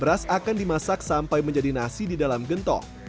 beras akan dimasak sampai menjadi nasi didalam gentong